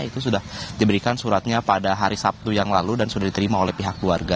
itu sudah diberikan suratnya pada hari sabtu yang lalu dan sudah diterima oleh pihak keluarga